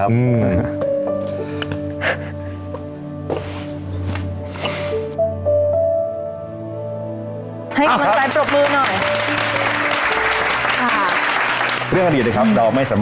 ไม่เป็นไรครับ